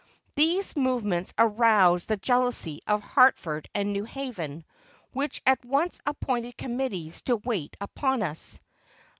These movements aroused the jealousy of Hartford and New Haven, which at once appointed committees to wait upon us.